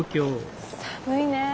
寒いねえ。